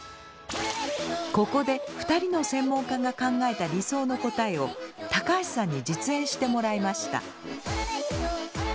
ここで２人の専門家が考えた理想の答えを高橋さんに実演してもらいました。